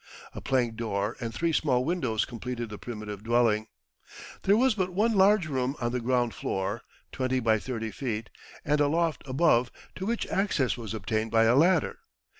A plank door and three small windows completed the primitive dwelling. There was but one large room on the ground floor, twenty by thirty feet, and a loft above, to which access was obtained by a ladder.